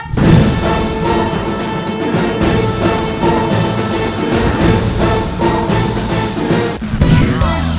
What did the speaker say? โมโฮโมโฮ